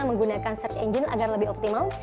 menggunakan search engine agar lebih optimal